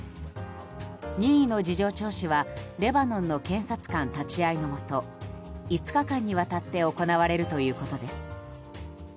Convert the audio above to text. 任意の事情聴取はレバノンの検察官立ち会いのもと５日間にわたって行われるということです。